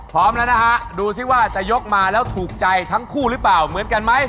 พร้อมแล้วนะฮะดูสิว่าจะยกมาแล้วถูกใจทั้งคู่หรือเปล่าเหมือนกันไหม